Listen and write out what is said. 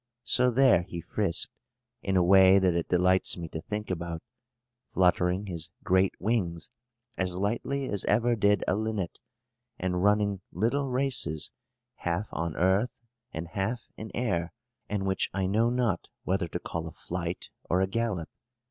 So there he frisked, in a way that it delights me to think about, fluttering his great wings as lightly as ever did a linnet, and running little races, half on earth and half in air, and which I know not whether to call a flight or a gallop.